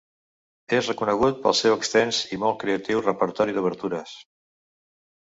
És reconegut pel seu extens i molt creatiu repertori d'obertures.